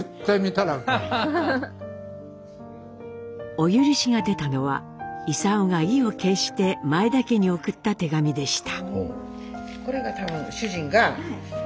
お許しが出たのは勲が意を決して前田家に送った手紙でした。